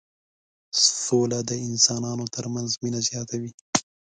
سوله د انسانانو ترمنځ مينه زياتوي.